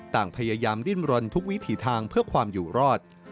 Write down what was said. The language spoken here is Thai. ต่างพยายามดิ้นรนทุกวิถีทางเพื่อความอยู่รอด